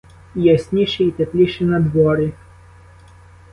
І ясніше, і тепліше надворі.